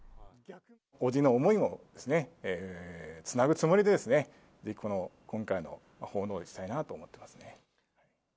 伯父の思いもつなぐつもりでですね、今回の奉納踊りにしたいなと思ってますね。